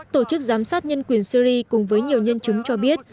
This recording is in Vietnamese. tổ chức giám sát nhân quyền syri cùng với nhiều nhân chứng cho biết